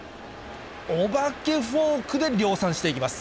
お化けフォークで量産していきます。